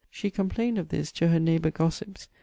She complained of this to her neighbour gossips.